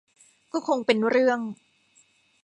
ก็คงเป็นเรื่อง